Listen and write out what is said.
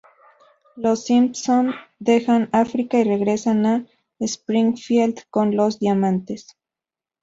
Los Simpson dejan África y regresan a Springfield con los diamantes.